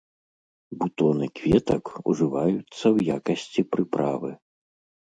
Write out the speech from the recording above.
Бутоны кветак ужываюцца ў якасці прыправы.